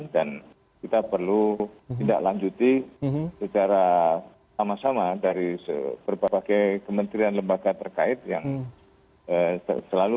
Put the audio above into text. dan kita perlu tidak lanjuti secara sama sama dari berbagai kementerian lembaga terkait yang selalu